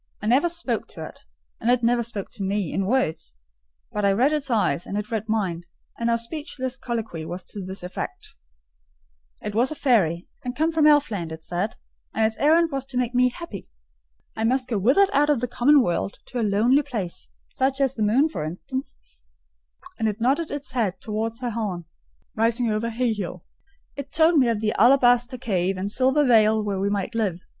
I never spoke to it, and it never spoke to me, in words; but I read its eyes, and it read mine; and our speechless colloquy was to this effect— "It was a fairy, and come from Elf land, it said; and its errand was to make me happy: I must go with it out of the common world to a lonely place—such as the moon, for instance—and it nodded its head towards her horn, rising over Hay hill: it told me of the alabaster cave and silver vale where we might live.